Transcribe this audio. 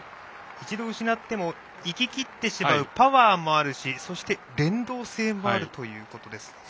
一度失ってもいききってしまうパワーもあるしそして連動性もあるということです。